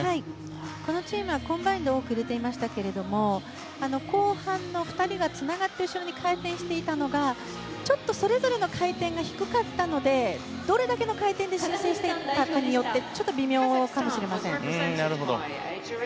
このチームはコンバインドを多く出てましたけれど後半の２人がつながって後ろに回転していたのがちょっとそれぞれの回転が低かったのでどれだけの回転で修正していくかによってちょっと微妙かもしれません。